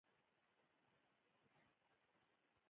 په افغانستان کې لمریز ځواک ډېر اهمیت لري.